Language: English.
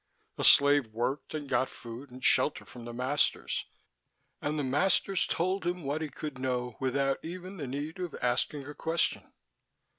A slave worked and got food and shelter from the masters, and the masters told him what he could know without even the need of asking a question.